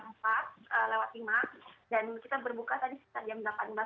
kita tadi subuh lewat lima dan kita berbuka tadi sekitar jam delapan belas empat puluh delapan